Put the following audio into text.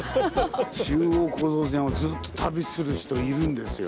中央構造線をずっと旅する人いるんですよ。